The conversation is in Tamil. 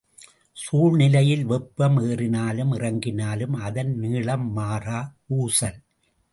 சூழ்நிலையில் வெப்பம் ஏறினாலும் இறங்கினாலும் அதன் நீளம் மாறா ஊசல்.